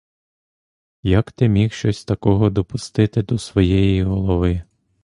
Як ти міг щось такого допустити до своєї голови.